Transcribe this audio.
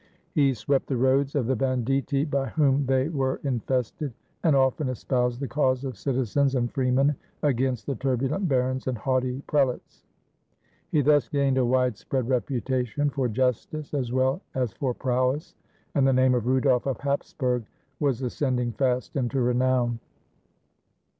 He swept the roads of the banditti by whom they 261 AUSTRIA HUNGARY were infested, and often espoused the cause of citizens and freemen against the turbulent barons and haughty prelates. He thus gained a widespread reputation for justice, as well as for prowess, and the name of Rudolf of Hapsburg was ascending fast into renown.